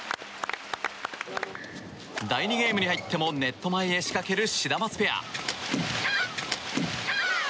第２ゲームに入ってもネット前へ仕掛けるシダマツペア。